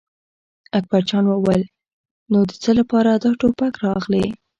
اکبر جان وویل: نو د څه لپاره دا ټوپک را اخلې.